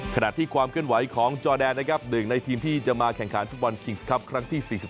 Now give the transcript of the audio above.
ขณะที่ความเคลื่อนไหวของจอแดนนะครับ๑ในทีมที่จะมาแข่งขันฟุตบอลคิงส์ครับครั้งที่๔๒